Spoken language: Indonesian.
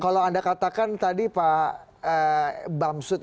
kalau anda katakan tadi pak bamsud